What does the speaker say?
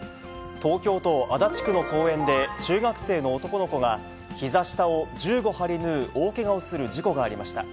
東京都足立区の公園で、中学生の男の子が、ひざ下を１５針縫う大けがをする事故がありました。